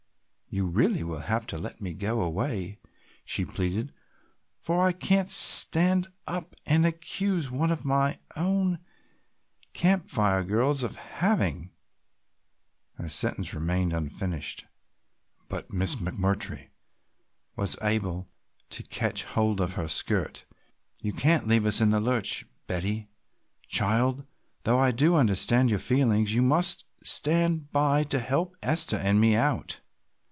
"You really will have to let me go away," she pleaded, "for I can't stand up and accuse one of our own Camp Fire girls of having " Her sentence remained unfinished, but Miss McMurtry was able to catch hold of her skirt. "You can't leave us in the lurch, Betty, child, though I do understand your feelings, you must stand by to help Esther and me out.